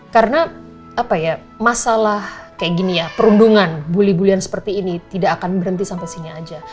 karena apa ya masalah kayak gini ya perundungan bully bully an seperti ini tidak akan berhenti sampai sini aja